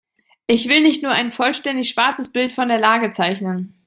Ich will nicht nur ein vollständig schwarzes Bild von der Lage zeichnen.